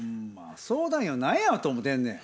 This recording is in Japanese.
相談員を何やと思てんねん。